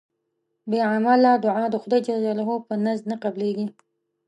بی عمله دوعا د خدای ج په نزد نه قبلېږي